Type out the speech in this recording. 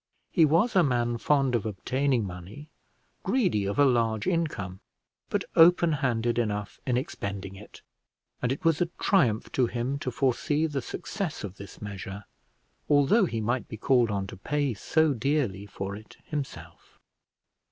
He was a man fond of obtaining money, greedy of a large income, but open handed enough in expending it, and it was a triumph to him to foresee the success of this measure, although he might be called on to pay so dearly for it himself.